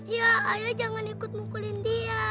ya ayo jangan ikut mukulin dia